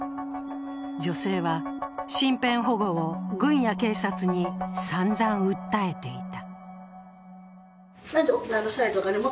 女性は身辺保護を軍や警察にさんざん訴えていた。